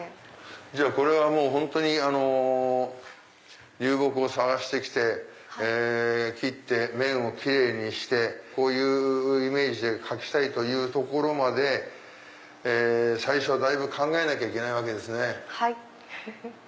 じゃあこれは本当に流木を探して来て切って面をキレイにしてこういうイメージで描きたいというところまで最初はだいぶ考えなきゃいけないわけですね。